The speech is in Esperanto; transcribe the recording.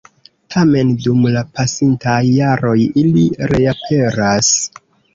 Tamen, dum la pasintaj jaroj ili reaperas.